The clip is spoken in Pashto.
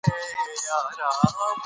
د ډيپلوماسی هدف د سولې ټینګښت دی.